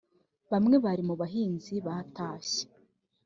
bamwe bari mubahinzi batashye